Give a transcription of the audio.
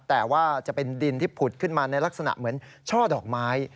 แต่ว่าจะเป็นดินที่ผุดขึ้นมาในลักษณะเหมือนช่อดอกไม้